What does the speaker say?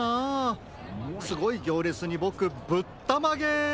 すごいぎょうれつにボクぶったまげ。